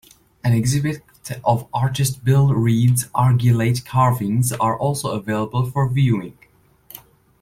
An exhibit of artist Bill Reid's argillite carvings are also available for viewing.